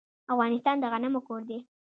افغانستان د غنمو کور دی.